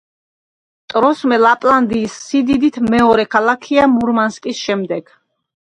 ტრომსე ლაპლანდიის სიდიდით მეორე ქალაქია მურმანსკის შემდეგ.